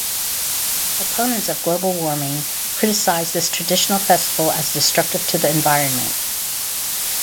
Opponents of global warming criticize this traditional festival as destructive to the environment.